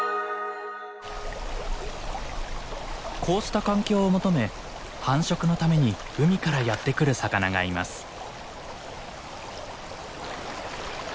こうした環境を求め繁殖のために海からやって来る魚がいます。